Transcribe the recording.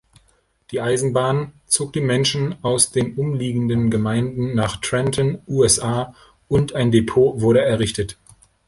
Die Eisenbahn zog die Menschen aus den umliegenden Gemeinden nach Trenton, USA, und ein Depot wurde errichtet.